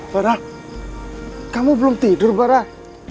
barak kamu belum tidur barat